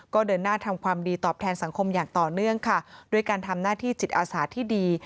ก็เดินหน้าทำความดีตอบแทนสังคมอย่างต่อเนื่องค่ะด้วยการทำหน้าที่จิตอาสาที่ดี